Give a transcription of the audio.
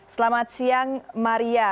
selamat siang maria